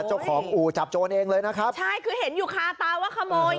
เจ้าของอู่จับโจรเองเลยนะครับใช่คือเห็นอยู่คาตาว่าขโมย